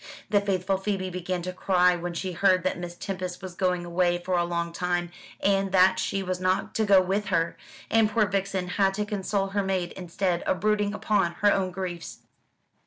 The faithful Phoebe began to cry when she heard that Miss Tempest was going away for a long time, and that she was not to go with her; and poor Vixen had to console her maid instead of brooding upon her own griefs.